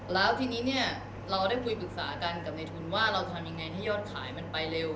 แล้วทีนี้เนี่ยเราได้คุยปรึกษากันกับในทุนว่าเราทำยังไงให้ยอดขายมันไปเร็ว